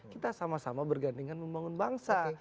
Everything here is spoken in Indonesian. kita sama sama bergandingan membangun bangsa